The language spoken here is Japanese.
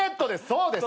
そうです。